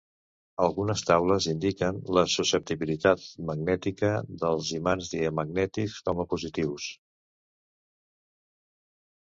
Algunes taules indiquen la susceptibilitat magnètica dels imants diamagnètics com a positius.